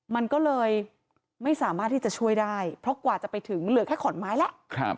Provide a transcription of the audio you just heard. มันก็เลยไม่สามารถที่จะช่วยได้เพราะกว่าจะไปถึงเหลือแค่ขอนไม้แล้ว